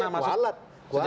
wajar saja kualet